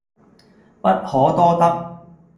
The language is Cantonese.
不可多得